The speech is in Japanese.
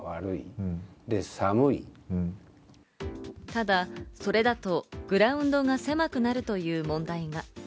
ただそれだとグラウンドが狭くなるという問題が。